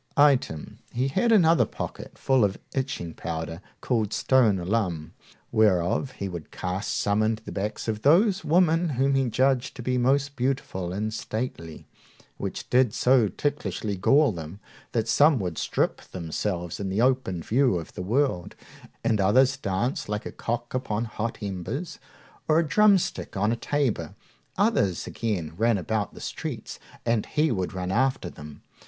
Item, he had another pocket full of itching powder, called stone alum, whereof he would cast some into the backs of those women whom he judged to be most beautiful and stately, which did so ticklishly gall them, that some would strip themselves in the open view of the world, and others dance like a cock upon hot embers, or a drumstick on a tabor. Others, again, ran about the streets, and he would run after them.